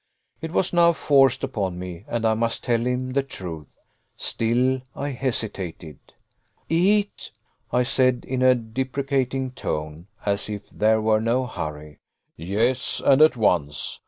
It was now forced upon me, and I must tell him the truth. Still I hesitated. "Eat," I said, in a deprecating tone as if there were no hurry. "Yes, and at once.